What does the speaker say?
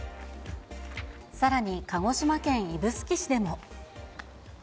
さらに、鹿児島県指宿市でも。